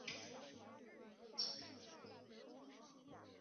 黑臀泽蛭为舌蛭科泽蛭属下的一个种。